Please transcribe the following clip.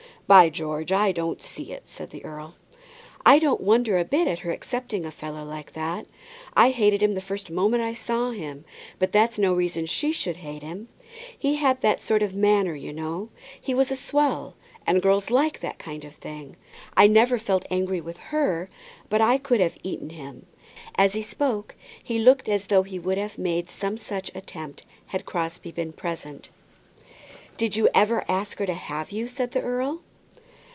"By George, I don't see it," said the earl. "I don't wonder a bit at her accepting a fellow like that. I hated him the first moment I saw him; but that's no reason she should hate him. He had that sort of manner, you know. He was a swell, and girls like that kind of thing. I never felt angry with her, but I could have eaten him." As he spoke he looked as though he would have made some such attempt had Crosbie been present. "Did you ever ask her to have you?" said the earl.